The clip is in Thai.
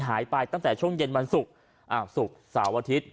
หายไปตั้งแต่ช่วงเย็นวันศุกร์อ้าวศุกร์เสาร์อาทิตย์